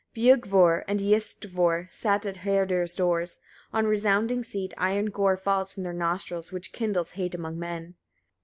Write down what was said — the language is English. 76. Biugvor and Iyistvor sit at Herdir's doors, on resounding seat; iron gore falls from their nostrils, which kindles hate among men.